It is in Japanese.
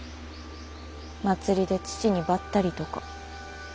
祭りで父にばったりとか。